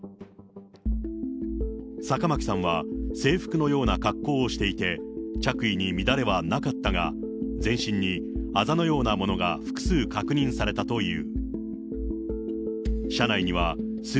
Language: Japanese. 坂巻さんは制服のような格好をしていて、着衣に乱れはなかったが、全身にあざのようなものが複数確認されたという。